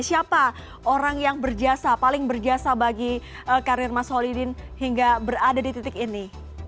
siapa orang yang berjasa paling berjasa bagi karir mas holidin hingga berada di titik ini